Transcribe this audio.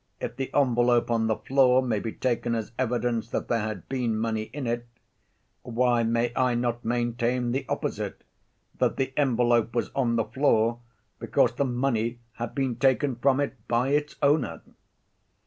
If the envelope on the floor may be taken as evidence that there had been money in it, why may I not maintain the opposite, that the envelope was on the floor because the money had been taken from it by its owner?